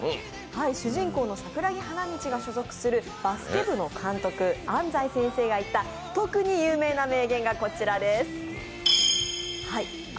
主人公の桜木花道が所属するバスケ部の監督安西先生が言った、特に有名な名言がこちらです。